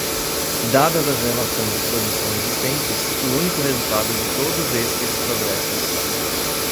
dadas as relações de produção existentes, o único resultado de todos estes progressos